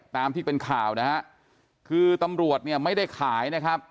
ตามที่เป็นข่าวนะฮะคือตำรวจเนี่ยไม่ได้ขายนะครับ